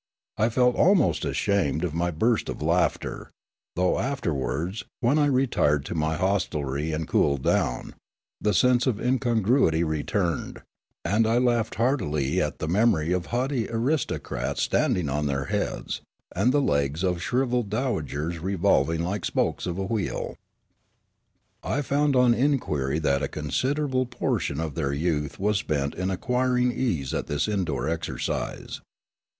I felt almost ashamed of my burst of laughter, though afterwards, when I retired to my hostelry and cooled down, the sense of incongruity returned, and I laughed heartily at the memory of haughty aristocrats standing on their heads, and the legs of shrivelled dowagers revolving like spokes of a wheel. I found on inquiry that a considerable portion of their youth was spent in acquiring ease at this indoor exercise.